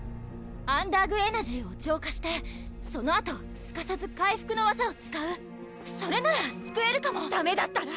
アンダーグ・エナジーを浄化してそのあとすかさず回復の技を使うそれならすくえるかもダメだったら？